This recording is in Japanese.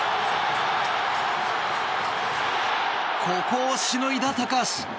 ここをしのいだ高橋。